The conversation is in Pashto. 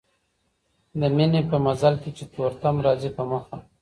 د ميني په مزل کي چي تور تم راځي په مخه